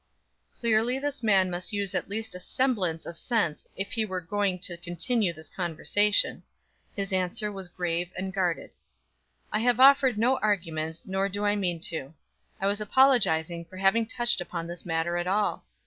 Clearly this man must use at least the semblance of sense if he were going to continue the conversation. His answer was grave and guarded. "I have offered no arguments, nor do I mean to. I was apologizing for having touched upon this matter at all.